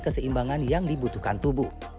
keseimbangan yang dibutuhkan tubuh